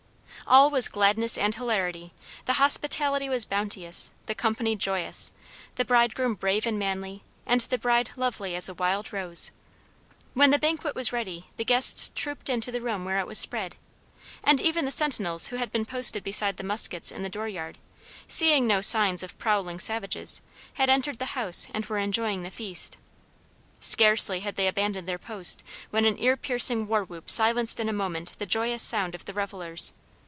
All was gladness and hilarity; the hospitality was bounteous, the company joyous, the bridegroom brave and manly, and the bride lovely as a wild rose. When the banquet was ready the guests trooped into the room where it was spread, and even the sentinels who had been posted beside the muskets in the door yard, seeing no signs of prowling savages, had entered the house and were enjoying the feast. Scarcely had they abandoned their post when an ear piercing war whoop silenced in a moment the joyous sound of the revelers.